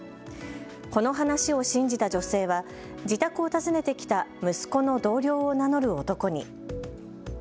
この話を信じた女性は自宅を訪ねてきた息子の同僚を名乗る男に。